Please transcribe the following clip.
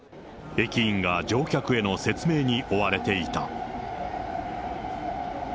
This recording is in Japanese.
駅員が乗客への説明に追われていた。